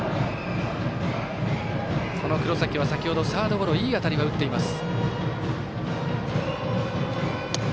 黒崎は先ほどサードゴロいい当たりは打っています。